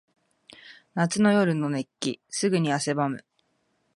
夏の夜の熱気。すぐに汗ばむ。